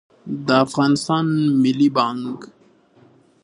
د افغانستان ملي بانګ